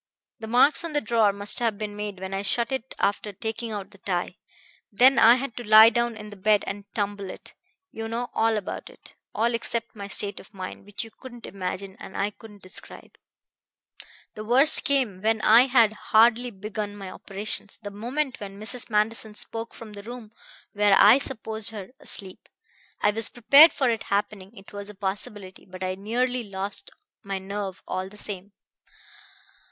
The marks on the drawer must have been made when I shut it after taking out the tie. Then I had to lie down in the bed and tumble it. You know all about it all except my state of mind, which you couldn't imagine, and I couldn't describe. "The worst came when I had hardly begun my operations; the moment when Mrs. Manderson spoke from the room where I supposed her asleep. I was prepared for it happening; it was a possibility; but I nearly lost my nerve all the same.